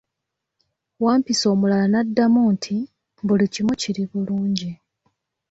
Wampisi omulala n'addamu nti, buli kimu kiri bulungi.